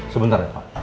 sebentar ya pak